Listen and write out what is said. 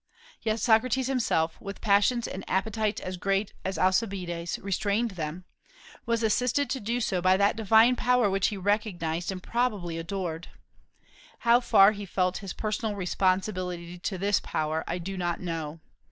Yet Socrates himself, with passions and appetites as great as Alcibiades, restrained them, was assisted to do so by that divine Power which he recognized, and probably adored. How far he felt his personal responsibility to this Power I do not know.